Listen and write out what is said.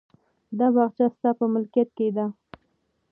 دا باغچه ستا په ملکیت کې ده.